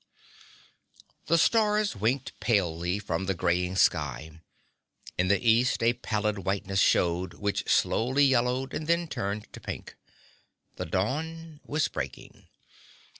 The stars winked palely from the graying sky. In the east a pallid whiteness showed which slowly yellowed and then turned to pink. The dawn was breaking.